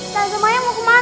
tante mayang mau kemana